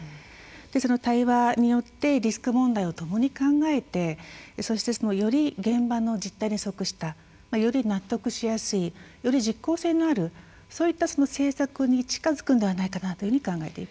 その対話によってリスク問題を共に考えてそしてより現場の実態に即したより納得しやすいより実効性のあるそういった政策に近づくんではないかなというふうに考えています。